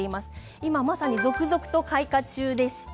今まさに続々と開花中です。